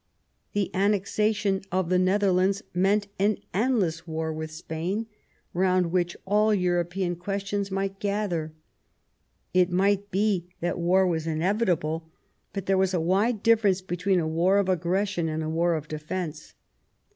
The annexation of the Nether lands meant an endless war with Spain, round which 2i8 QUEEN ELIZABETH. all European questions might gather. It might be that war was inevitable, but there was a wide difference between a war of aggression and a war of defence.